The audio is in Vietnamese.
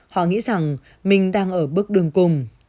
họ nghĩ rằng mình đang ở bước đường cùng